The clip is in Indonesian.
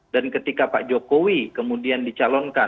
dan ketika pak jokowi kemudian dicalon oleh pdi perjuangan